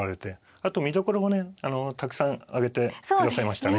あと見どころもねたくさん挙げていらっしゃいましたね。